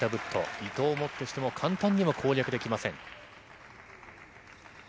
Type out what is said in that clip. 伊藤をもってしても簡単には攻略できません。